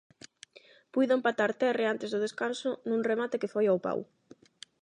Puido empatar terre antes do descanso nun remate que foi ao pau.